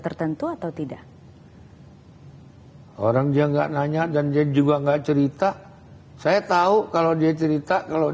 tertentu atau tidak orang dia enggak nanya dan dia juga enggak cerita saya tahu kalau dia cerita kalau